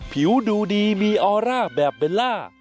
ผิวดูดีมีออร่าแบบเบลล่า